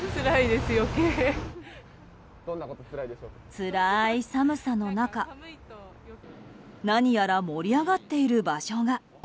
つらい寒さの中何やら盛り上がっている場所が。